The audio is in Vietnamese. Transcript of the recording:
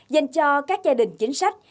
dành cho các gia đình chính sách